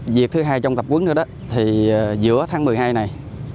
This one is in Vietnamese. việc thứ hai trong tập quấn nữa đó thì giữa tháng một mươi hai này